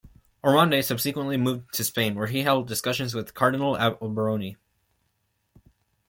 Ormonde subsequently moved to Spain where he held discussions with Cardinal Alberoni.